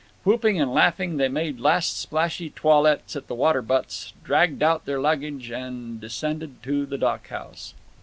Whooping and laughing, they made last splashy toilets at the water butts, dragged out their luggage, and descended to the dock house.